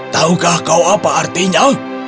tahukah kau apa artinya